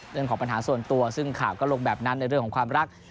เรื่องของปัญหาส่วนตัวซึ่งข่าวก็ลงแบบนั้นในเรื่องของความรัก